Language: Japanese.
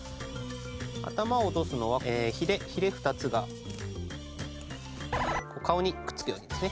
頭を落とすのはヒレ２つが顔にくっつくようにですね